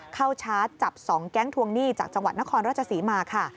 ชาร์จจับ๒แก๊งทวงหนี้จากจังหวัดนครราชศรีมาค่ะ